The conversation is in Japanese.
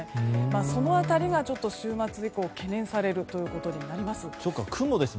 その辺りが週末以降懸念されることになります。